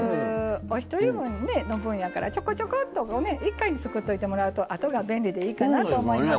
お一人の分やからちょこちょこっと１回に作っておいてもらうとあとが便利でいいかなと思いますね。